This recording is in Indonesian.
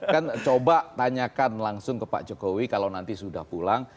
kan coba tanyakan langsung ke pak jokowi kalau nanti sudah pulang